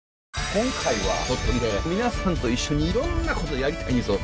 今回は鳥取で皆さんと一緒にいろんなことやりたいんですよ。